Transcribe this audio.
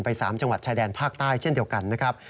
๓จังหวัดชายแดนภาคใต้เช่นเดียวกันนะครับ